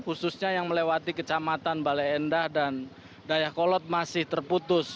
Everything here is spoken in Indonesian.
khususnya yang melewati kecamatan balai endah dan dayuh kolot masih terputus